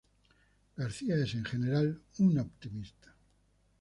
Garcia es, en general, un optimista.